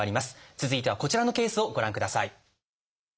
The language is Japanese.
続いてはこちらのケースをご覧ください。